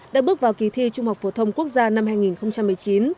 đã bước vào kỳ thi trung học phổ thông quốc gia năm hai nghìn một mươi chín